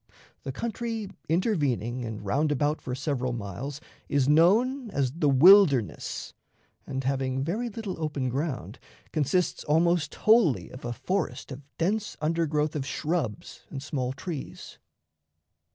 The country intervening and round about for several miles is known as the "Wilderness," and, having very little open ground, consists almost wholly of a forest of dense undergrowth of shrubs and small trees.